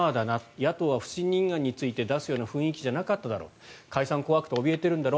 野党は不信任案について出すような雰囲気じゃなかっただろ解散怖くておびえてるんだろ。